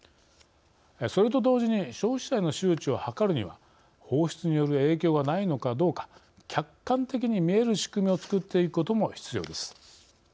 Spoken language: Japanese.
それと同時に消費者への周知を図るには放出による影響がないのかどうか客観的に見える仕組みを作っていくことも必要です。